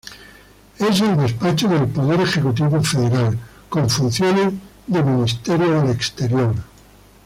Es el despacho del poder ejecutivo federal con funciones de Ministerio del Exterior.